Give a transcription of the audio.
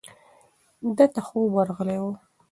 ده ته خوب ورغلی و.